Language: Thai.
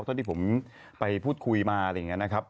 เท่าที่ผมไปพูดคุยมาอะไรอย่างนี้นะครับ